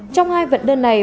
trong hai vận đơn này